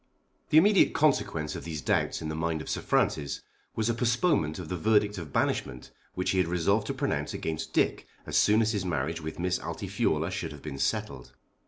The immediate consequence of these doubts in the mind of Sir Francis was a postponement of the verdict of banishment which he had resolved to pronounce against Dick as soon as his marriage with Miss Altifiorla should have been settled.